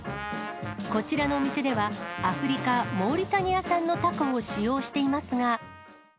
こちらのお店では、アフリカ・モーリタニア産のタコを使用していますが。